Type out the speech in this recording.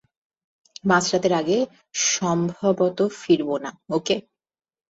মাঝরাতের আগে সম্ভবত ফিরবো না, ওকে?